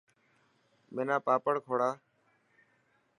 منا پاپڙ کوڙا.